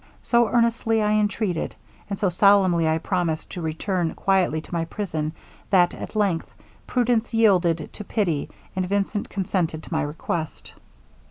So earnestly I entreated, and so solemnly I promised to return quietly to my prison, that, at length, prudence yielded to pity, and Vincent consented to my request.